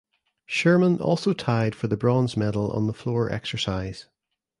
Schermann also tied for the bronze medal on the floor exercise.